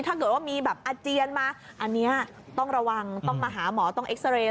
ถ้าเกิดว่ามีแบบอาเจียนมาอันนี้ต้องระวังต้องมาหาหมอต้องเอ็กซาเรย์